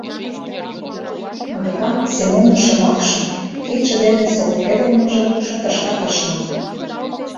Агытан Семонын шомакшым, кидше дене солкедылмыжым шотышкат ыш нал.